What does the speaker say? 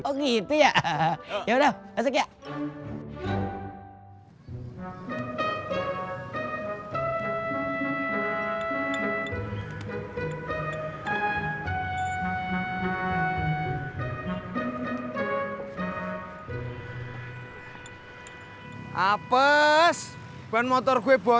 oh gitu ya